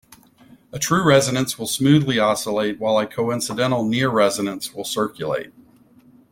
A true resonance will smoothly oscillate while a coincidental near resonance will circulate.